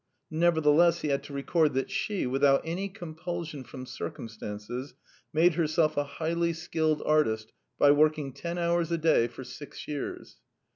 Nevertheless he had to record that she, without any compulsion from circumstances, made herself a highly skilled artist by working ten hours a day for six years.